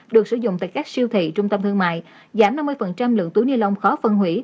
được sử dụng tại các siêu thị trung tâm thương mại giảm năm mươi lượng túi ni lông khó phân hủy